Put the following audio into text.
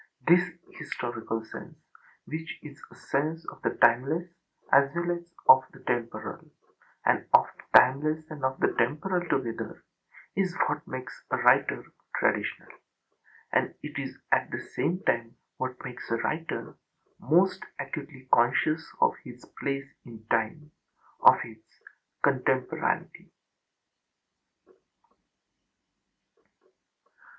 This historical sense, which is a sense of the timeless as well as of the temporal and of the timeless and of the temporal together, is what makes a writer traditional. And it is at the same time what makes a writer most acutely conscious of his place in time, of his contemporaneity.